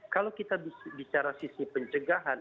kalau kita bicara sisi pencegahan